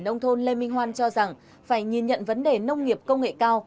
ông thôn lê minh hoan cho rằng phải nhìn nhận vấn đề nông nghiệp công nghệ cao